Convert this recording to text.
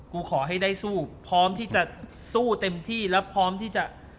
ขอให้ได้สู้พร้อมที่จะสู้เต็มที่และพร้อมที่จะ